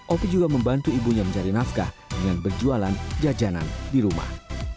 opi juga membantu ibunya mencari nafkah dengan berjualan jajanan di rumah